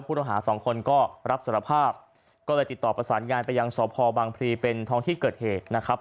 หาสองคนก็รับสารภาพก็เลยติดต่อประสานงานไปยังสพบังพลีเป็นท้องที่เกิดเหตุนะครับ